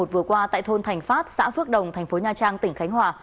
vừa qua tại thôn thành phát xã phước đồng thành phố nha trang tỉnh khánh hòa